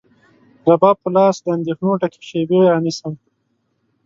رباب په لاس، د اندېښنو ډکې شیبې رانیسم